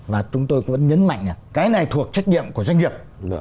và chúng tôi cũng nhấn mạnh là cái này thuộc trách nhiệm của doanh nghiệp